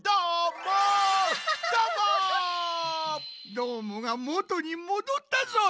どーもがもとにもどったぞい！